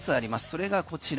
それがこちら。